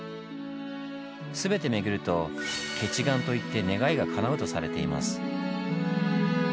全て巡ると「結願」といって願いがかなうとされています。